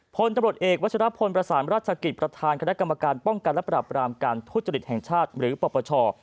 พลตำรวจเอกวัชรพลประสานราชกิจประธานคณะกรรมการป้องกันและปรับรามการทุจริตแห่งชาติหรือปปช